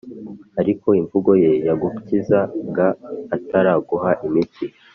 ariko imvugo ye yagukizaga ataraguha imiti.